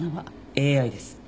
ＡＩです。